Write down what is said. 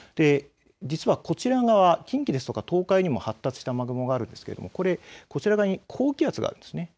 実はこちら側、近畿、東海にも発達した雨雲があるんですがこちら側に高気圧があるんです。